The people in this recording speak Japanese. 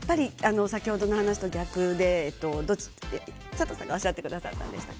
先ほどの話と逆で佐藤さんがおっしゃってくださったんでした